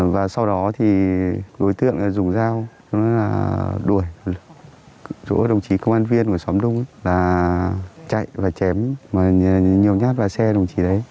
và sau đó thì đối tượng dùng dao đuổi chỗ đồng chí công an viên của xóm đông là chạy và chém nhiều nhát vào xe đồng chí đấy